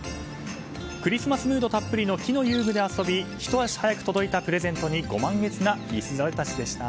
クリスマスムードたっぷりの木の遊具で遊びひと足早く届いたプレゼントにご満悦なリスザルたちでした。